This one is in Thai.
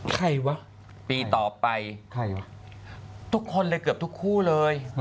ใครวะปีต่อไปใครวะทุกคนเลยเกือบทุกคู่เลย